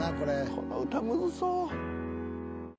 この歌ムズそう。